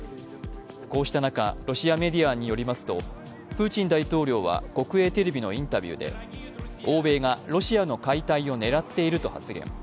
こうした中、ロシアメディアによりますと、プーチン大統領は国営テレビのインタビューで欧米がロシアの解体を狙っていると発言。